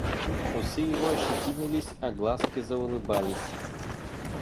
Усы его ощетинились, а глазки заулыбались.